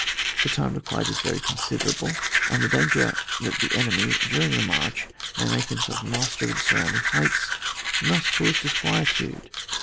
The time reqidred is very considerable ; and the danger that the enemy during the march may make himself master of the sur rounding heights must cause disquietude.